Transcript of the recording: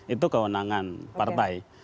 itu kewenangan partai